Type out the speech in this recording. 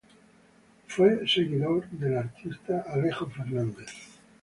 Fue seguidor del artista Alejo Fernández.